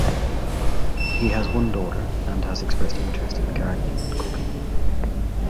He has one daughter and has expressed interest in gardening and cooking.